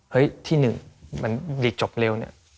เฮ้ยที่หนึ่งมันลีกจบเร็วเนี่ย